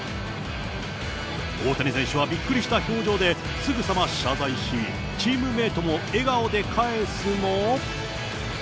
大谷選手はびっくりした表情で、すぐさま謝罪し、チームメートも笑顔で返すも。